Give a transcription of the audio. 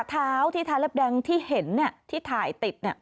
เท้าที่ทาเล็บแดงที่เห็นที่ถ่ายติด